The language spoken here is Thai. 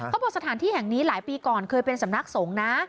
สถานที่แห่งนี้หลายปีก่อนเคยเป็นสำนักสงฆ์นะ